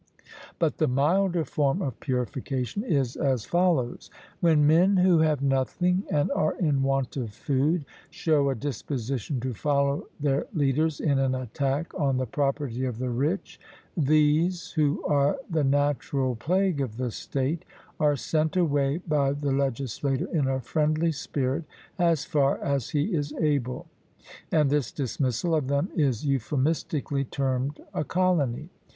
But the milder form of purification is as follows: when men who have nothing, and are in want of food, show a disposition to follow their leaders in an attack on the property of the rich these, who are the natural plague of the state, are sent away by the legislator in a friendly spirit as far as he is able; and this dismissal of them is euphemistically termed a colony.